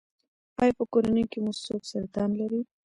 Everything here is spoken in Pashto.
ایا په کورنۍ کې مو څوک سرطان لري؟